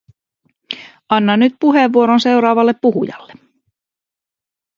Annan nyt puheenvuoron seuraavalle puhujalle.